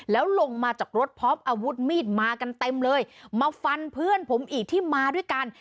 แล้วลงมาจากรถพร้อมอาวุธมีดมากันเต็มเลยมาฟันเพื่อนผมอีกที่มาด้วยกัน